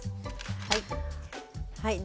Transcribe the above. はい。